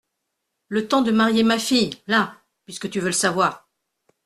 Le temps de marier ma fille… là… puisque tu veux le savoir.